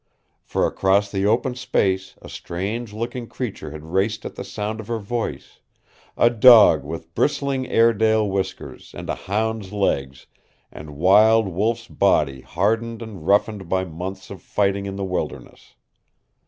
For across the open space a strange looking creature had raced at the sound of her voice; a dog with bristling Airedale whiskers, and a hound's legs, and wild wolf's body hardened and roughened by months of fighting in the wilderness.